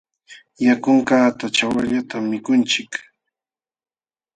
Yakunkaqta ćhawallatam mikunchik.